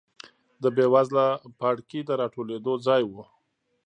د بېوزله پاړکي د راټولېدو ځای و.